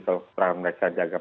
kalau mereka menjaga